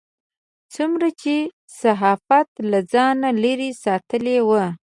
څومره چې صحافت له ځانه لرې ساتلی و.